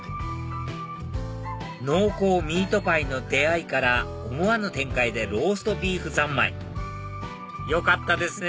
濃厚ミートパイの出会いから思わぬ展開でローストビーフ三昧よかったですね